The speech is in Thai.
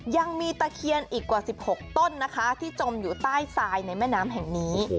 ยังมีตะเคียนอีกกว่า๑๖ต้นนะคะที่จมอยู่ใต้ทรายในแม่น้ำแห่งนี้